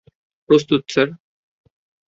প্রস্তুত, স্যার।